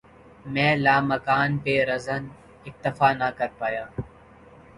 مَیں لامکاں پہ رضاؔ ، اکتفا نہ کر پایا